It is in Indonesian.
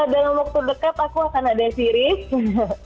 dalam waktu dekat aku akan ada series